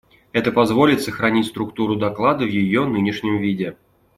Это позволит сохранить структуру доклада в ее нынешнем виде.